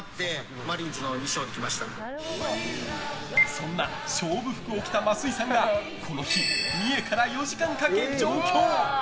そんな勝負服を着た増井さんがこの日、三重から４時間かけ上京。